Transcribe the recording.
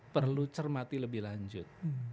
perlu cermati lebih lanjut